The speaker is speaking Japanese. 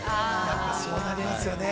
◆やっぱそうなりますよね。